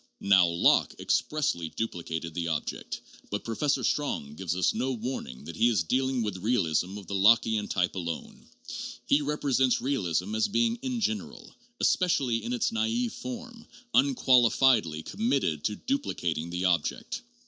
Now Locke expressly duplicated the object; but Professor Strong gives us no warning that he is dealing with realism of the Lockean type alone; he represents realism as being in general, especially in its naive form, unqualifiedly committed to duplicating the object.